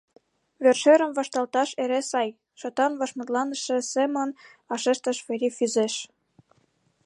— Вер-шӧрым вашталташ эре сай, — шотан вашмутланыше семын вашештыш Фери Фӱзеш.